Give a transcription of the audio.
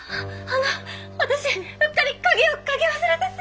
あの私うっかり鍵をかけ忘れて。